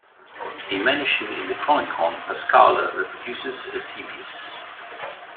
A mention in the Chronicon Paschale reproduces Eusebius.